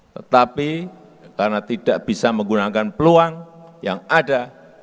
tetapi karena tidak bisa menggunakan peluang yang ada